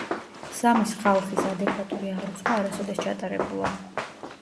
სამის ხალხის ადეკვატური აღრიცხვა არასოდეს ჩატარებულა.